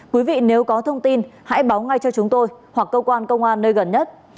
quý vị nếu có thông tin hãy báo ngay cho chúng tôi hoặc cơ quan công an nơi gần nhất